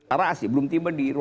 apa asli belum tiba di ruang